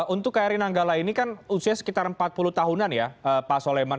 untuk kri nanggala ini kan usia sekitar empat puluh tahunan ya pak soleman